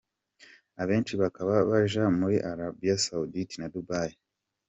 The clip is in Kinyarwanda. Abenshi bakaba baja muri Arabie Seoudite na Dubai.